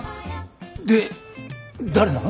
で誰なの？